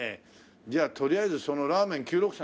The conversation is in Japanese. じゃあとりあえずそのラーメン９６３